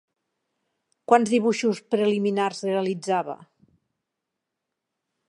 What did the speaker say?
Quants dibuixos preliminars realitzava?